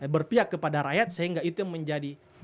berpihak kepada rakyat sehingga itu menjadi